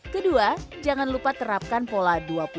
kedua jangan lupa terapkan pola dua puluh dua puluh dua puluh